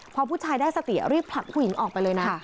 พอผู้ชายได้สติรีบผลักผู้หญิงออกไปเลยนะ